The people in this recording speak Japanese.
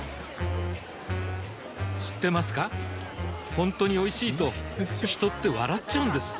ほんとにおいしいと人って笑っちゃうんです